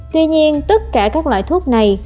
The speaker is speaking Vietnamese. tuy nhiên tất cả các loại thuốc này